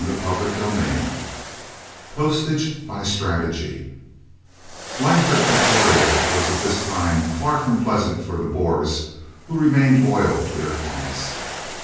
CHAPTER VII POSTAGE BY STRATEGY Life at Pretoria was at this time far from pleasant for the Boers who remained loyal to their cause.